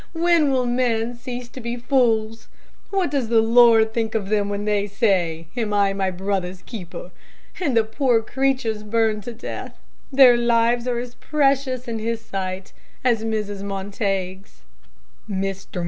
when will men cease to be fools? What does the Lord think of them when they say, 'Am I my brother's keeper?' And the other poor creatures burned to death their lives are as precious in his sight as Mrs. Montague's." Mr.